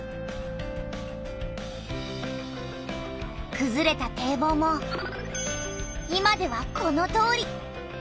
くずれた堤防も今ではこのとおり。